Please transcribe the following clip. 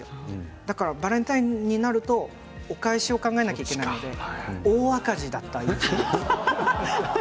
だからバレンタインになるとお返しを考えなくてはいけないから大赤字だったという思い出ですね。